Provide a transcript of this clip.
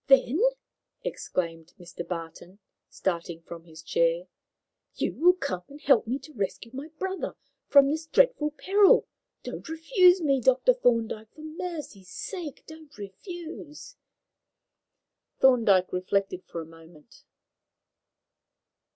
"Then," exclaimed Mr. Barton, starting from his chair, "you will come and help me to rescue my brother from this dreadful peril. Don't refuse me, Dr. Thorndyke, for mercy's sake, don't refuse." Thorndyke reflected for a moment.